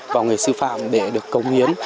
và người sư phạm để được công hiến